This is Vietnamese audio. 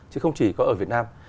chứ không chỉ có ở việt nam